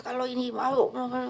kalau ini mau